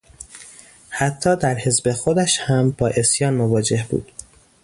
حتی در حزب خودش هم با عصیان مواجه بود.